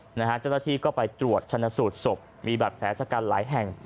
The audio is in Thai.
เจ้าหน้าที่ก็ไปตรวจชนะสูตรศพมีบัตรแผลชะกันหลายแห่ง